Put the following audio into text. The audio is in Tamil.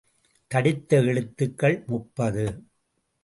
தடித்த எழுத்துக்கள் முப்பது.